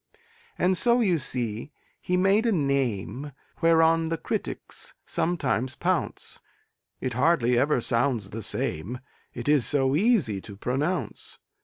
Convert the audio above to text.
And so, you see, he made a name Whereon the critics sometimes pounce; It hardly ever sounds the same, It is so easy to pronounce.